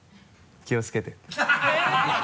「気をつけて」えっ！